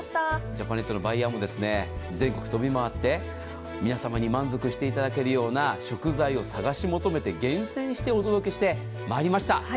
ジャパネットのバイヤーも全国飛び回って皆さまに満足していただけるような食材を探し求めて厳選してお届けしてまいりました。